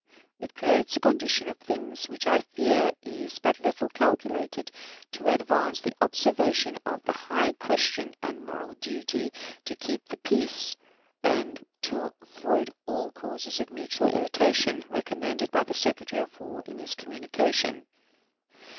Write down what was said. It creates a condition of things which I fear is but little calculated to advance the observance of the "high Christian and moral duty to keep the peace, and to avoid all causes of mutual irritation," recommended by the Secretary of War in his communication.